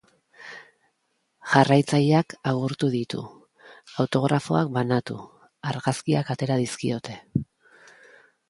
Jarraitzaileak agurtu ditu, autografoak banatu, argazkiak atera dizkiote.